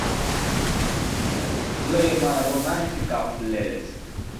Play my Romántica playlist